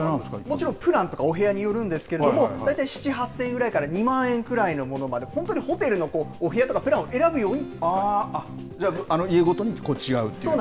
もちろん、プランとかお部屋によるんですけれども、大体７、８０００円ぐらいから２万円くらいのものまで、本当にホテルのおじゃあ、家ごとに違うという。